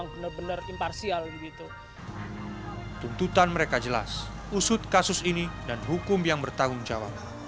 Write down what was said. benar benar imparsial begitu tuntutan mereka jelas usut kasus ini dan hukum yang bertanggung jawab